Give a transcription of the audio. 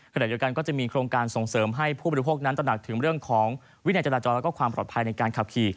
ขณะเดียวกันก็จะมีโครงการส่งเสริมให้ผู้บริโภคนั้นตระหนักถึงเรื่องของวินัยจราจรแล้วก็ความปลอดภัยในการขับขี่